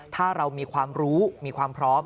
ถ้าเรามีความรู้มีความพร้อม